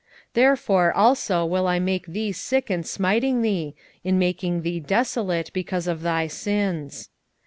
6:13 Therefore also will I make thee sick in smiting thee, in making thee desolate because of thy sins.